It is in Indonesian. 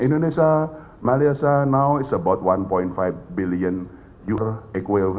indonesia malaysia sekarang sudah berkembang dengan satu lima juta euro